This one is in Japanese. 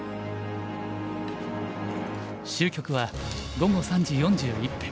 終局は午後３時４１分。